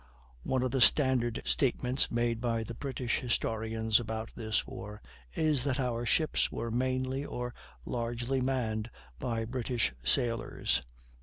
One of the standard statements made by the British historians about this war is that our ships were mainly or largely manned by British sailors.